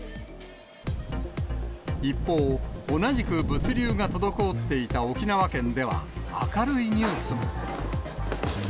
一方、同じく物流が滞っていた沖縄県では、明るいニュースも。